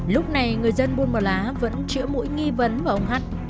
lúc này người dân buôn mà lá vẫn chữa mũi nghi vấn vào ông hắt